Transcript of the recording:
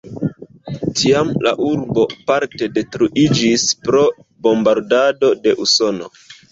Tiam la urbo parte detruiĝis pro bombardado de Usono.